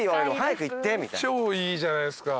超いいじゃないっすか。